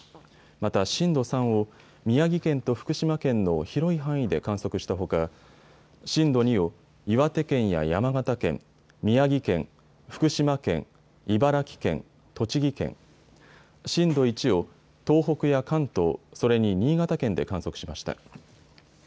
また震度３を宮城県と福島県の広い範囲で観測したほか震度２を岩手県や山形県、宮城県、福島県、茨城県、栃木県、震度１を東北や関東、それに新潟県で観測しました。